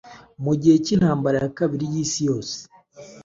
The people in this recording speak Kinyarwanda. mugihe ki intamabara ya Kabiri y’isi yose.